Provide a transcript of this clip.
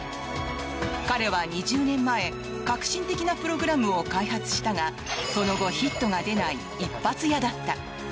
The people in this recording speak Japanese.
彼は２０年前革新的プログラム開発をしたがその後ヒットが出ない一発屋だった。